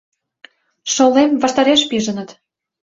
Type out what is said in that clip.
— Шолем ваштареш пижыныт!